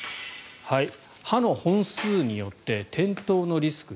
歯の本数によって転倒のリスク